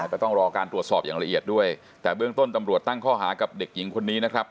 ก็ต้องรอการตรวจสอบอย่างละเอียดด้วยแต่เบื้องต้นตำรวจตั้งข้อหากับเด็กหญิงคนนี้นะครับ